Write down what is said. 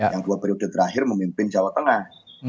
yang dua periode terakhir memimpin jawa tengah